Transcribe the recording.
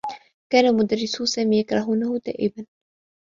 كان مدرّسو سامي يكرهونه دائما.